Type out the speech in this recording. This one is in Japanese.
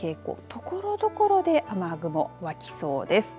ところどころで雨雲湧きそうです。